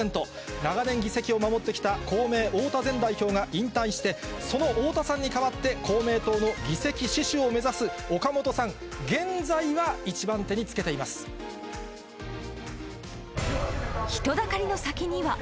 長年議席を守ってきた公明、太田前代表が引退して、その太田さんに代わって、公明党の議席死守を目指す岡本さん、人だかりの先には。